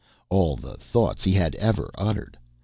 All the thoughts that he had ever uttered!